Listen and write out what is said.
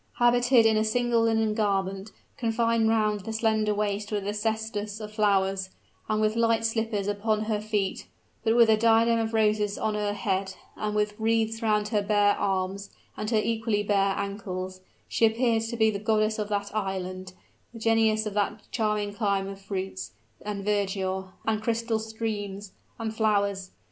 Habited in a single linen garment, confined round the slender waist with a cestus of flowers, and with light slippers upon her feet, but with a diadem of roses on her head, and with wreaths round her bare arms, and her equally bare ankles, she appeared to be the goddess of that island the genius of that charming clime of fruits, and verdure, and crystal streams, and flowers.